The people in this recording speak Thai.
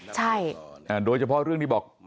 ใช่โดยเฉพาะเรื่องนี้บอก